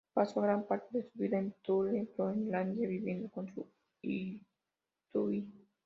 Pasó gran parte de su vida en Thule, Groenlandia, viviendo con los inuit.